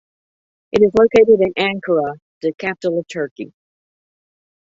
It is located in Ankara, the capital of Turkey.